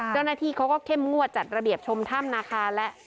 เจ้าหน้าที่เขาก็เข้มงวดจัดระเบียบชมถ้ำนาคาแล้ว